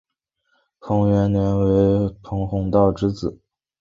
袁彭年为袁宏道之子。